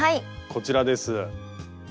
こちらです。